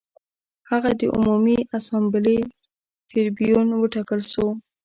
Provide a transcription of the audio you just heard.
هغه د عمومي اسامبلې ټربیون وټاکل شو